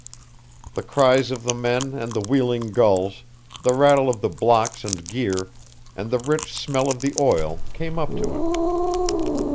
The cries of the men and the wheeling gulls, the rattle of the blocks and gear, and the rich smell of the oil came up to him....